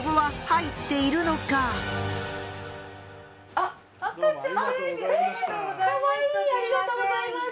ありがとうございます。